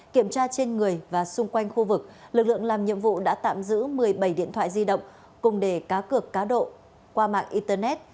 kiểm tra trên người và xung quanh khu vực lực lượng làm nhiệm vụ đã tạm giữ một mươi bảy điện thoại di động cùng đề cá cược cá độ qua mạng internet